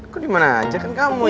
kok dimana aja